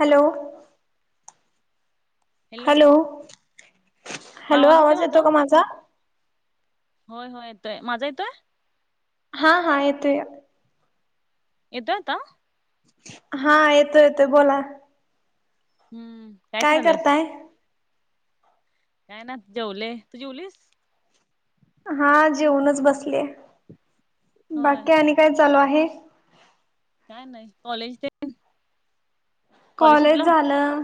Hello! Hello hello आवाज येतो का माझा. होय हो येतोय माझा येतोय. हा हा येतोय. येतो यता. हा येतो येतोय बोला. हम्म [unintelligible] काय करताय. काय ना जेवले तू जेवलीस. हा जेवनच बसले होय बाकीकी आणि काय चालू आहे. काय नाही कॉलेज ते कॉलेज झालं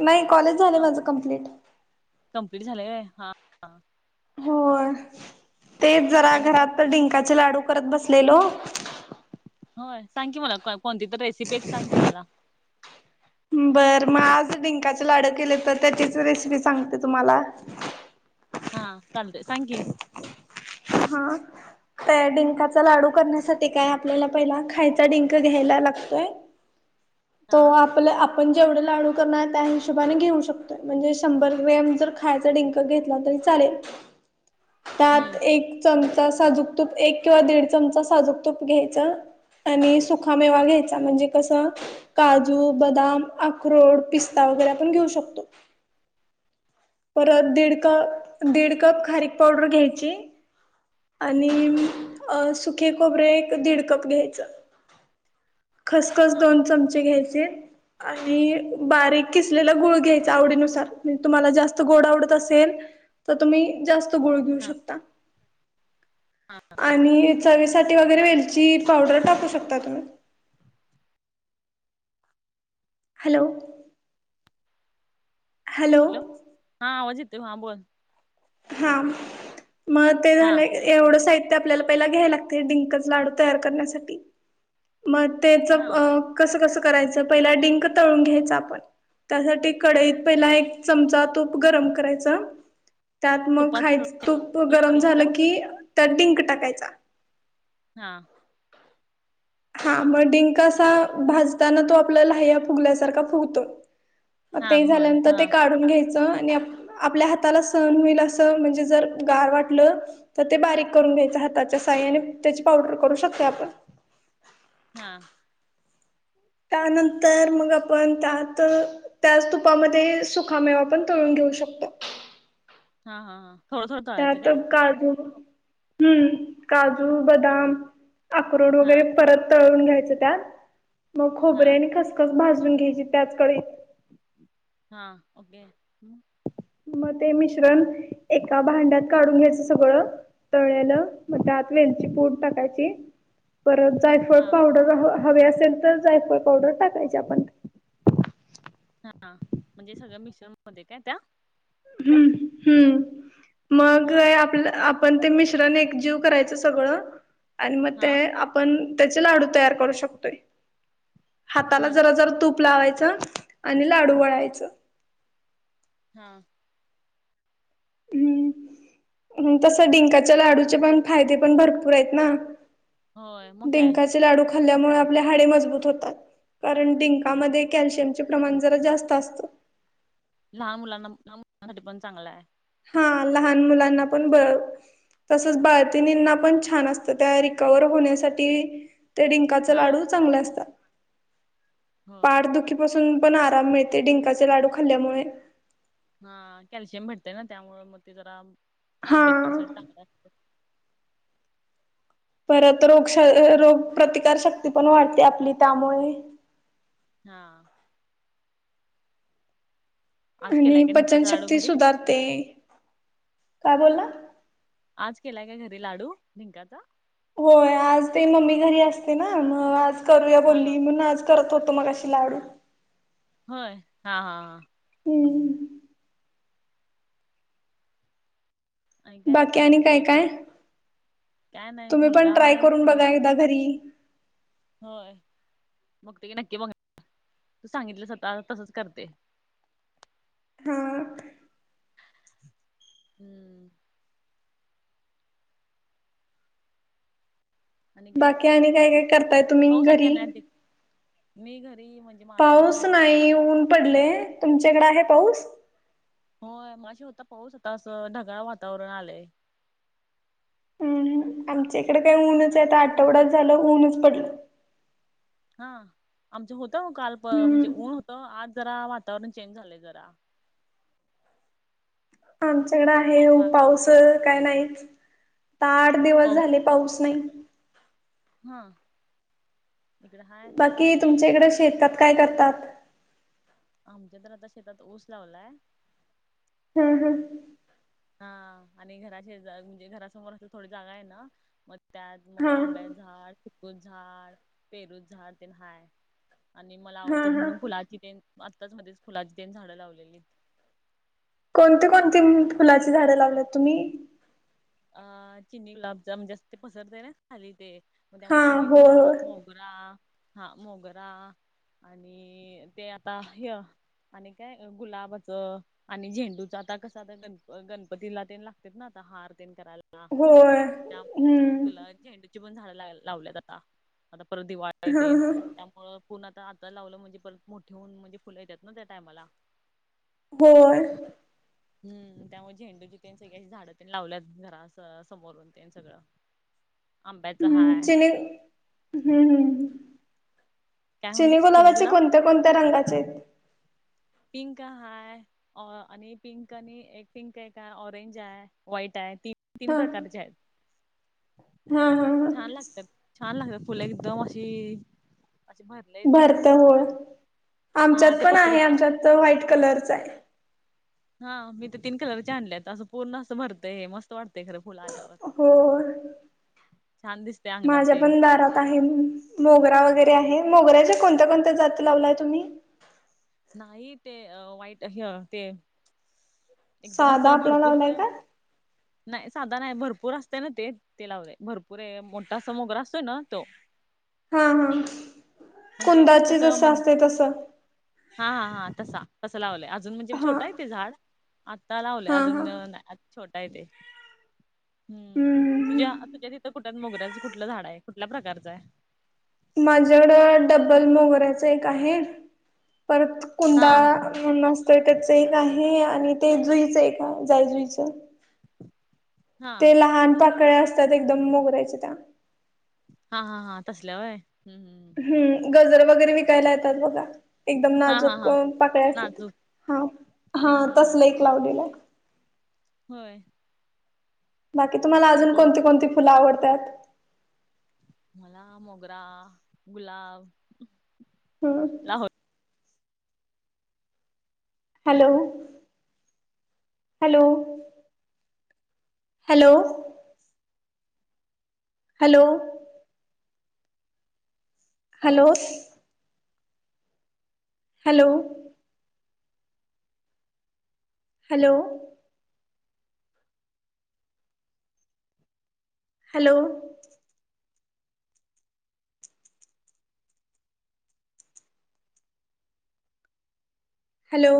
नाही कॉलेज झालं माझ कंप्लीट. कं्प्लीट झाय ह हो तेच जरा आणि काय घरात तर ढिंकाचे लाडू करत बसलेलो. होय सांग की मला कोणती तर रेसिपी एक सांग की मला. बरं मग आज डिंकाचे लाडू केले तर त्याचीच रेसिपी सांगते तुम्हाला. हा कले संांखी हा. त्या डिंकाचा लाडू करण्यासाठी काय आपल्याला पहिला खायचा डिंक घ्यायला लागतोय. हा तो आपल्या आपण जेवढ लाडू करणार त्या हिशोबाने घेऊ शकतोय म्हणजे शंभर ग्रॅम जर खायचा डं घेतला तरी चालेल हम्म त्यात एक चमचा साजूक तूप एक किंवा दीड चमचा साजूक तूप घ्यायचा. आणि सुखामेवा घ्यायचा म्हणजे कसं. काजू बदाम अख्रोड पिस्ता वगैरे आपण घेऊ शकतो. परत दीड क दीड कप खारीक पावडर घ्यायची. आणि हा सुके खोबरे एक दीड कप घ्यायचं. खसखस दोन चमचे घ्यायचे. आणि बारीक किसलेला गुळ घ्यायचा आवडीनुसार म्हणजे तुम्हाला जास्त गोड आवडत असेल. तर तुम्ही जास्त गुळ घेऊ हा शकता आणि चवीसाठी वगैरे वेलची पावडर टाकू शकता तुम्ही हॅलो! हॅलो हा आजिते हां बोल. हा मग ते हा झालंय. एवढं साहित्य आपल्याला पहिला घ्यायला लागते डिंक लाडू तयार करण्यासाठी. मग त्याच हा कसं कसं करायचं पहिला डिंक तळून घ्यायचं आपण त्यासाठी कडईत पहिला एक चमचा तूप गरम करायचा. त्यात मग तुपात खायच तूप गरम तळून का झालं की त्यात डिंक टाकायचा. हा. हा म डिंक असा भाजताना तो आपल्याला हे फुगल्यासारखा फुगतो. हा ते होय झाल्यानंतर हा ते काढून घ्यायच. आपल्या हाताला सण होईल अस म्हणजे जर गार वाटलं. तर ते बारीक करून घ्यायचं हाताच्या साय आणि त्याची पावडर करू शकते आपण. हा. त्यानंतर मग आपण त्यात त्याच तुपामध्ये सुखामेवा पण तळून घेऊ शकतो. हा हा हा. थोडं थोडं त्या तळायचं त काय काजू हम्म, काजू, बदाम, अक्रोड हा वगैरे परत तळून घ्यायच त्यात, मग खोबरे हा आणि खसखस भाजून घ्यायची त्याच कडईत. हा, ओके हम. म ते मिश्रण एका भांड्यात काढून घ्यायचं सगळं. तळले म त्यात वेलची पूड टाकायची. परत जायफळ हा पावडर हवे असेल तर जायफळ पावडर टाकायची आपण. हा, म्हणजे सगळ्या मिश्रन मध्ये काय त्या? हम, हम्, मग हा आपलं आपण ते मिश्रने एक जीव करायचं सगळं, आणि मग हा ते आ आपण त्याचे लाडू तयार करू शकतोय, हाताला हम्म जरा जरा तूप लावायचं. आणि लाडू वळायचं. हा. हम्म. हम तस डिंकाच्या लाडूचे पण फायदे पण भरपूर आहेत ना. होय मग काय डिंकाचे लाडू खाल्ल्यामुळे आपले हाडे मजबूत होतात. कारण डिंकामध्ये कॅल्शियमचे प्रमाण जरा जास्त असत. लहान मुलांना लहान मुलांसाठी पण चांगलाय. हा लहान मुलांना पण ब तसंच बाळतीणींना पण छान असतं त्या रिकवर होण्यासाठी. ते डिंकाचे हा लाडू चांगले असतात. होय पाठदुखीपासून पण आराम मिळते डिंकाचे लाडू खाल्ल्यामुळे. हा कॅल्शियम भेटतय ना त्यामुळ म ते जरा हा तब्यतीसाठी चांगलं असतय. परत रोग रोगप्रतिकारशक्ती पण वाढते आपली त्यामुळे. हा. आज आणि केलाय का ढिंकाचा लाडू पचनशक्ती घरी सुधारते, काय बोलला? आज केलाय का घरी लाडू डिंकाचा. होय आज ते मम्मी घरी असते ना म आज करूया हा हा बोलली म्हनून आज करत होतो मगाशी लाडू. होय, हा हा. हम्म. आणि काय बाकी आज आणि काय सोय काय? काय नाही तुम्ही पण मुलगा ट्राय हाय करून मुल बघा एकदा घरी. होय, बगते की नक्की बघ, तू सांगितल्यास आता तसच करते. हा. हम्म. आणि काय? बाकी आणि काय काय करताय तुम्ही पाऊस हाय काय घरी? नाय ती, मी घरी म्हणजे माझं म्हणजे पाऊस असं नाही ऊन पडलय तुमच्याकडे आहे पाऊस? होय मगाशी होता पाऊस आता असं ढगाळ वातावरण आलंय. हम्म आमच्या इकडे काय ऊनच बोला आहे आठवडाच झालं ऊनच पडलं. हा आमचं होतं काल प म्हणजे हम्म ऊन होतं आज जरा वातावरण चेंज झालंय जरा. आमच्याकडे आहे हो आभाळ पाऊस काय नाहीच आता आठ दिवस पाऊस झाले पाऊस नाही. हा. इकडं हाय बाकी म्हणजे तुमच्या इकडं शेतात काय करतात? आमच्या तर आता शेतात ऊस लावलाय. ह ह. हा, आणि घरा शेजारी म्हणजे घरासमोर असं थोडी जागा आहे ना मग त्यात मग हा आंब्या झाडं चिकूचं झाड, पेरूचं झाड तेन हाय. आणि मला हा आवडतात, हा म्हणून फुलाची तेन आत्ताच मध्येच फुलाची तेन झाडं लावलेलीत. कोणती कोणती फुलाची झाडं लावल्यात तुम्ही? अ चिनी गुलाबचा म्हणजे असं ते पसरत नाय खाली ते मग, हा त्यामुळे चिनी गुलाब, होय मोगरा मोगरा हा मोगरा आणि ते आता ह्य आणि काय गुलाबाचं आणि झेंडूच आता कसं आता गण -गणपतीला तेन लागतेत ना आता हार तेन करायला. होय त्यामुळ हम्म गुला- झेंडूची पण झाडं ला- लावल्यात आता आता परत दिवाळी हा तेन हा त्यामुळ पूर्ण आता आता लावलं म्हणजे परत मोठे होऊन, म्हणजे फुलं येतात ना त्या टाइमाला. होय. हम्म, त्यामुळे झेंडूची तेन सगळे असं झाडं तेन लावल्यात. घरास समोरून तेन सगळं. आंब्याचं हम्म, हाय चिनी ह ह ह काय चिनी म्हणलीस गुलाबाचे कोण गुलाब कोणत्या कोणत्या रंगाचे आहेत? पिंक हाय. अ आणि पिंक आणि एक पिंक एक आहे, ऑरेंज आहे व्हाईट आहे तीन तीन हा प्रकारची आहेत. हा हा हा. छान लागत छान लागतात फुलं एकदम अशी असे, भरले येते भरत होय असं हा ते पसरतस तर व्हाईट कलरच आहे. हा मी तर, तीन कलरचे आणल्यात असं पूर्ण असं भरतंय मस्त वाटतयं खरं फुल आल्यावर. होय छान दिसते अंगणात माझ्या ते पण दारात आहे म मोगरा वगैरे आहे, मोगऱ्याच्या कोणत्या कोणत्या जाती लावलाय तुम्ही? नाही ते व्हाईट ह्य ते एकदम साधा असं आपला भरपूर लावलाय क का नाही साधा नाही भरपूर असतय ना ते, ते लावले भरपूर आहे मोठा असा मोगरा असतो ना तो. हा हा, म्हणजे एक एक कुंदाचे कसं जसं म्हणजे असतंय तसं. हा हा हा, तसा तसं लावलंय अजून म्हणजे हा छोटं आहे ते झाड आता लावलंय हा अजून हा नाय. छोटा आहे ते हम्म, तुझ्या तुझ्या तिथं कुठ त मोगऱ्याचं कुठलं झाड आहे, कुठल्या प्रकारचं आहे? माझ्याकडं डब्बल मोगऱ्याच एक आहे, परत कुंदा हा म्हणून असतयं त्याच एक आहे, आणि ते जुईचं एक जाईजुईचं. हा ते लहान पाकळ्या असतात, एकदम मोगऱ्याच्या त्या. हा हा हा, तसल्या होय. हम हम ह. हम्म, गजर वगैरे विकायला येतात बघा. एकदम हा हा नाजूक हा पाकळ्या असतात, नाजूक हा हा हम्म तसल एक लावलेलं आहे. होय. बाकी तुम्हाला आता आणि अजून कोणती पाऊस कोणती फुलं आवडतात? मला मोगरा, गुलाब हम्म. Hello. Hello. Hello. Hello. Hello! Hello! Hello! Hello! Hello!